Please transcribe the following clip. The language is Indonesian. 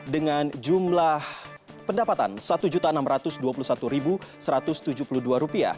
dengan jumlah pendapatan rp satu enam ratus dua puluh satu satu ratus tujuh puluh dua